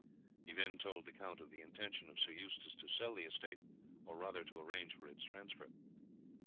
He then told the count of the intention of Sir Eustace to sell the estate, or rather to arrange for its transfer.